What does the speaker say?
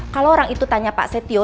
kalau orang itu tanya pak setio